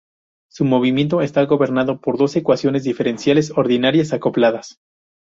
Su movimiento está gobernado por dos ecuaciones diferenciales ordinarias acopladas.